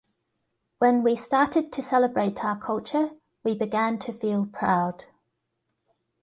When we started to celebrate our culture, we began to feel proud.